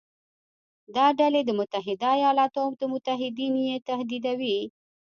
دا ډلې د متحده ایالاتو او متحدین یې تهدیدوي.